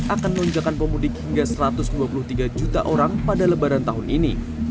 akan melunjakan pemudik hingga satu ratus dua puluh tiga juta orang pada lebaran tahun ini